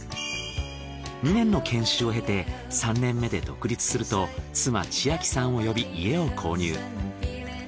２年の研修を経て３年目で独立すると妻千秋さんを呼び家を購入。